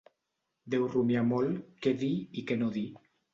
Deu rumiar molt què dir i què no dir.